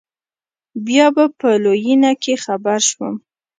بيا په لوېينه کښې خبر سوم.